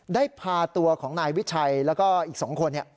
ได้พาตัวของนายวิชัยแล้วก็อีก๒คน